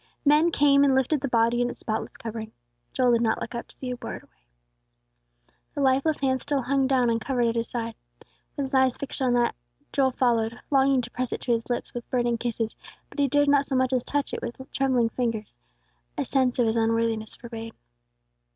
Men came and lifted the body in its spotless covering. Joel did not look up to see who bore it away. The lifeless hand still hung down uncovered at His side. With his eyes fixed on that, Joel followed, longing to press it to his lips with burning kisses; but he dared not so much as touch it with trembling fingers, a sense of his unworthiness forbade.